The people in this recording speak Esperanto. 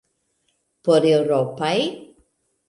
Por eŭropaj?